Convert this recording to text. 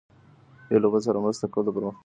یو له بل سره مرسته کول د پرمختګ لاره ده.